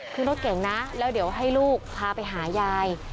ขึ้นรถเก่งนะแล้วเดี๋ยวให้ลูกพาไปหายาย